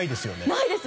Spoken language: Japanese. ないです。